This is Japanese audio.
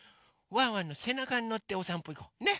ワンワンのせなかにのっておさんぽいこう。ね？